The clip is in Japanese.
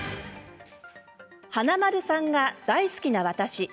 華丸さんが大好きな私。